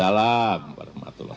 waalaikumsalam warahmatullahi wabarakatuh